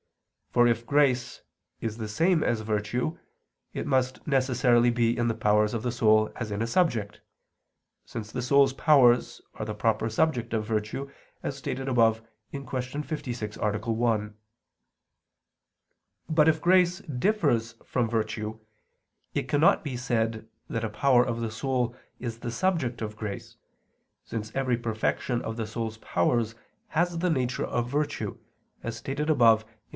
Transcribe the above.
For if grace is the same as virtue, it must necessarily be in the powers of the soul as in a subject; since the soul's powers are the proper subject of virtue, as stated above (Q. 56, A. 1). But if grace differs from virtue, it cannot be said that a power of the soul is the subject of grace, since every perfection of the soul's powers has the nature of virtue, as stated above (Q.